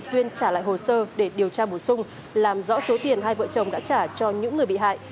tuyên trả lại hồ sơ để điều tra bổ sung làm rõ số tiền hai vợ chồng đã trả cho những người bị hại